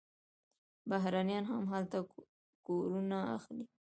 بهرنیان هم هلته کورونه اخلي.